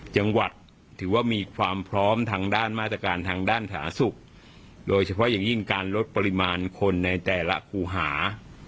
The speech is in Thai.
จังหวัดถือว่ามีความพร้อมทางด้านมาตรการทางด้านสาธารณสุขโดยเฉพาะอย่างยิ่งการลดปริมาณคนในแต่ละคู่หา